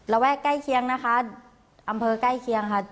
แวะใกล้เคียงนะคะอำเภอใกล้เคียงค่ะ